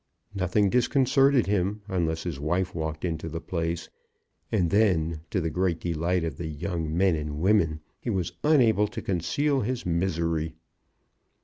Nothing disconcerted him, unless his wife walked into the place; and then, to the great delight of the young men and women, he was unable to conceal his misery.